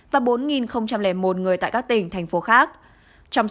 và bốn một người tại các tỉnh thành phố khác